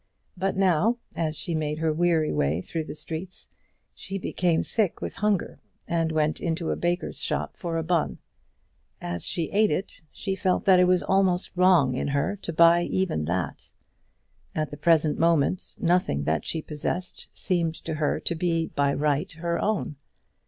But now as she made her weary way through the streets she became sick with hunger, and went into a baker's shop for a bun. As she ate it she felt that it was almost wrong in her to buy even that. At the present moment nothing that she possessed seemed to her to be, by right, her own.